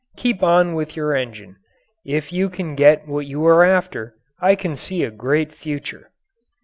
Keep on with your engine. If you can get what you are after, I can see a great future.